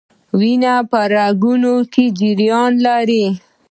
وینه په رګونو کې جریان لري